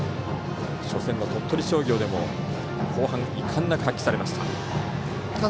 初戦の鳥取商業でも後半、遺憾なく発揮されました。